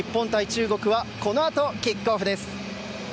中国はこの後キックオフです。